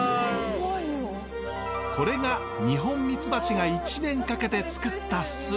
これが二ホンミツバチが１年かけてつくった巣。